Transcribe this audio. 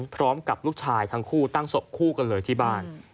พร้อมกับลูกชายทั้งคู่ตั้งศพคู่กันเลยที่บ้าน